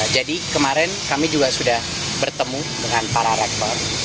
jadi kemarin kami juga sudah bertemu dengan para rektor